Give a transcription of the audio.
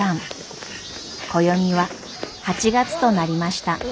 暦は８月となりました。